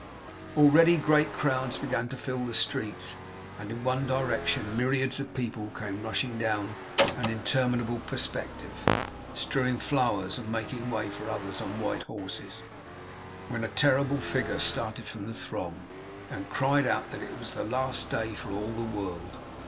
Already, great crowds began to fill the streets, and in one direction myriads of people came rushing down an interminable perspective, strewing flowers and making way for others on white horses, when a terrible figure started from the throng, and cried out that it was the Last Day for all the world.